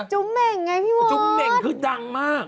จุ้มเม่งไงพี่วอร์ดจุ้มเม่งคือดังมาก